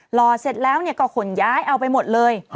รอเสร็จแล้วก็ขนย้ายเอาไปหมดเลย